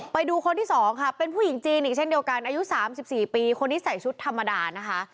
ไปดูคนที่๒ค่ะเป็นผู้หญิงจีนอีกเช่นเดียวกันอายุ๓๔ปีคนที่ใส่ชุดธรรมดานะคะ